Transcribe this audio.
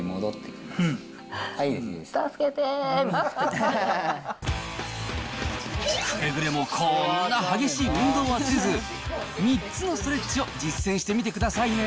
くれぐれもこんな激しい運動はせず、３つのストレッチを実践してみてくださいね。